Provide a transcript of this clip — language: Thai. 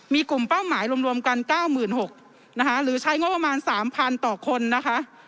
มีกลุ่มเป้าหมายรวมกัน๙๖๐๐นะคะหรือใช้งบประมาณ๓๐๐ต่อคนนะคะ